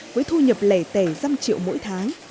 với thu nhập lẻ tẻ răm triệu mỗi tháng